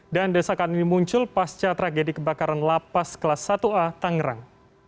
dan desakan ini muncul pasca tragedi kebakaran lapas kelas satu a tangerang